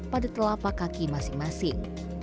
pada telapak kaki masing masing